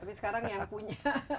tapi sekarang yang punya